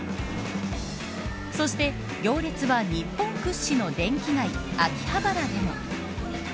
そして行列は、日本屈指の電気街秋葉原でも。